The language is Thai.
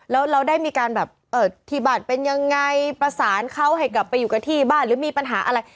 แล้วเราได้มีการแบบที่บ้านเป็นยังไงประสานเขาให้กลับไปอยู่กับที่บ้านหรือมีปัญหาอะไร